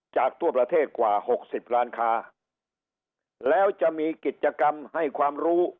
ทั่วประเทศกว่าหกสิบล้านค้าแล้วจะมีกิจกรรมให้ความรู้